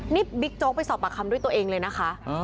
นี่บิ๊กโจ๊กไปสอบปากคำด้วยตัวเองเลยนะคะ